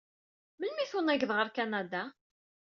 Melmi ay tunaged ɣer Kanada?